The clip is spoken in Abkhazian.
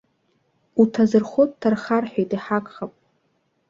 Уҭазырхо дҭарха, рҳәеит, иҳақхап.